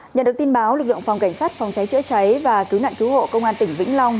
nhận được tin báo lực lượng phòng cảnh sát phòng cháy chữa cháy và cứu nạn cứu hộ công an tỉnh vĩnh long